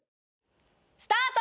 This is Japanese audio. スタート！